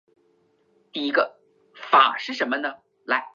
后来馨子进入同济大学表演系学习。